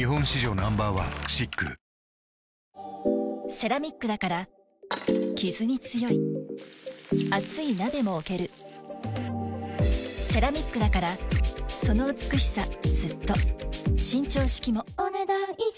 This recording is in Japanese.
セラミックだからキズに強い熱い鍋も置けるセラミックだからその美しさずっと伸長式もお、ねだん以上。